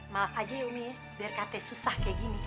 maaf aja ya umi ya biar kate susah kayak gini